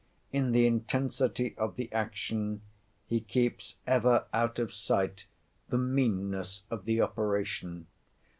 In the intensity of the action, he keeps ever out of sight the meanness of the operation.